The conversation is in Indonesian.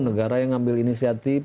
negara yang ambil inisiatif